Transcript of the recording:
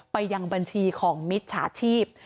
ไปยังบัญชีของมิจฉาชีพ